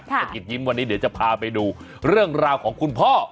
สะกิดยิ้มวันนี้เดี๋ยวจะพาไปดูเรื่องราวของคุณพ่อ